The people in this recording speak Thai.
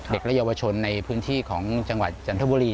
เด็กและเยาวชนในพื้นที่ของจังหวัดจันทบุรี